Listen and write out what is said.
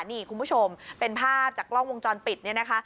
นี่คุณผู้ชมเป็นภาพจากกล้องวงจรปิดเนี่ยนะคะ